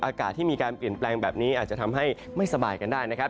อากาศที่มีการเปลี่ยนแปลงแบบนี้อาจจะทำให้ไม่สบายกันได้นะครับ